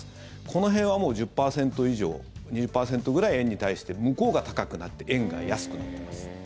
この辺はもう１０％以上２０％ぐらい円に対して向こうが高くなって円が安くなってます。